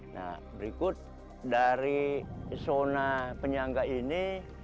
nah berikut dari zona penyangga ini